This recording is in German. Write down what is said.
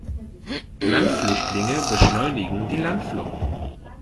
Landflüchtlinge beschleunigen die Landflucht.